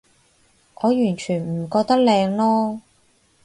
我完全唔覺得靚囉